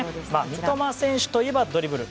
三笘選手といえばドリブル。